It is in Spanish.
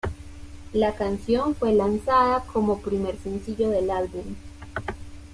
La canción fue lanzada como primer sencillo del álbum.